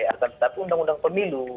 akan tetapi undang undang pemilu